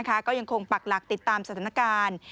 ก็ยังคงปักหลักติดตามสถานการณ์